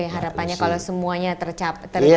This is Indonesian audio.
harapannya kalau semuanya tercapai